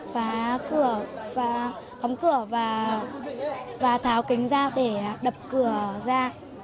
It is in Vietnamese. và khóng cửa và tháo kính ra để đập cửa ra